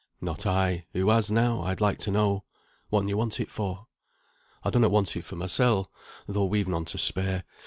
"Not I; who has now, I'd like to know. Whatten you want it for?" "I donnot want it for mysel, tho' we've none to spare.